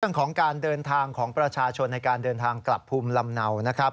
เรื่องของการเดินทางของประชาชนในการเดินทางกลับภูมิลำเนานะครับ